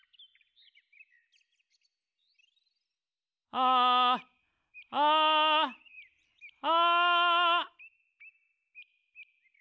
「あああ」